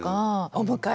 「お迎え」。